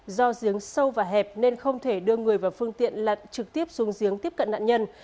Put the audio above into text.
do giếng sâu và hẹp nên không thể đưa người vào phương tiện lật trực tiếp xuống giếng tiếp cận nạn nhân